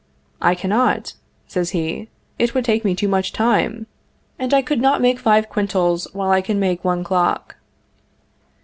"I cannot," says he; "it would take me too much time, and I could not make five quintals while I can make one clock."